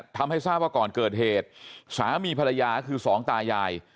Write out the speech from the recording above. ทำให้ทราบว่าก่อนเกิดเหตุสามีภรรยาคือสองตายาย